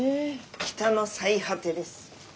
北の最果てです。